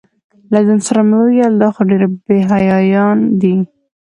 له ځان سره مې ویل دا خو ډېر بې حیایان دي.